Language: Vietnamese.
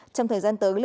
trong thời gian tới